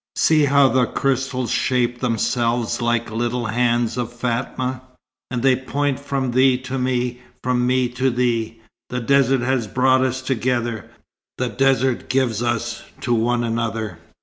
See how the crystals shape themselves like little hands of Fatma; and they point from thee to me, from me to thee. The desert has brought us together. The desert gives us to one another.